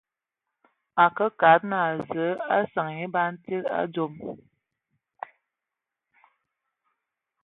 Akǝ kɔb naa Zǝǝ a seŋe bɔn tsíd a dzom.